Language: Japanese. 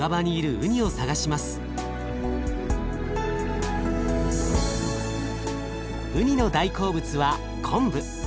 うにの大好物は昆布。